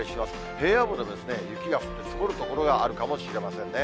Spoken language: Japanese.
平野部でですね、雪が降り積もる所があるかもしれませんね。